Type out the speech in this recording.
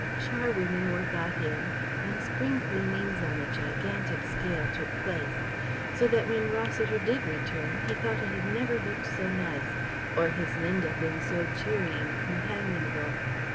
Charwomen were got in, and spring cleanings on a gigantic scale took place, so that when Rossiter did return he thought it had never looked so nice, or his Linda been so cheery and companionable.